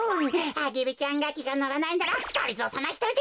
アゲルちゃんがきがのらないならがりぞーさまひとりでやるってか！